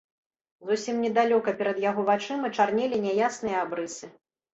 Зусім недалёка перад яго вачыма чарнелі няясныя абрысы.